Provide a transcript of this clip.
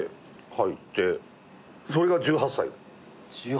それが１８歳。